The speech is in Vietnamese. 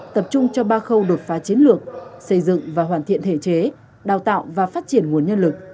tập trung cho ba khâu đột phá chiến lược xây dựng và hoàn thiện thể chế đào tạo và phát triển nguồn nhân lực